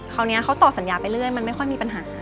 คราวนี้เขาต่อสัญญาไปเรื่อยมันไม่ค่อยมีปัญหา